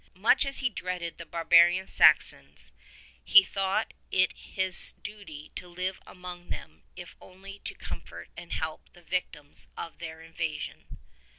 Much as he dreaded the barbarian Saxons he thought it his duty to live among them if only to comfort and help the victims of their invasion.